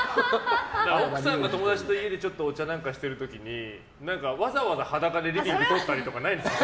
奥さんが友達と家でちょっとお茶なんかしてる時にわざわざ裸で出てきたりとかってないですか？